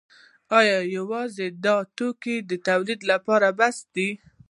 خو ایا یوازې دا توکي د تولید لپاره بس دي؟